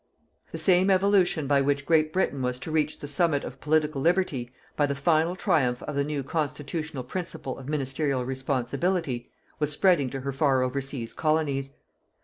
The same evolution by which Great Britain was to reach the summit of Political Liberty by the final triumph of the new constitutional principle of ministerial responsibility, was spreading to her far overseas Colonies.